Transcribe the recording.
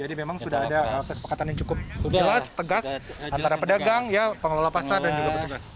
jadi memang sudah ada kesepakatan yang cukup jelas tegas antara pedagang pengelola pasar dan juga petugas